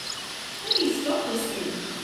How do you stop this thing?